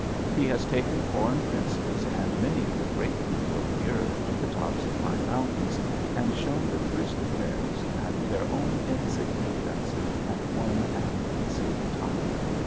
He has taken foreign princes and many of the great people of the earth to the tops of high mountains, and shown them grizzly bears, and their own insignificance, at one and the same time.